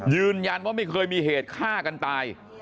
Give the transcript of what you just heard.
ยืนยันว่าไม่เคยมีเหตุฆ่ากันตาย